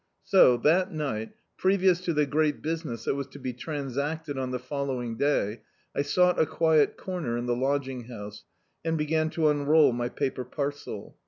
So, that ni^t, previous to the great business that was to be transacted on the following day, I sou^t a quiet comer in the lodging house, and b^an to imroll my paper parcel.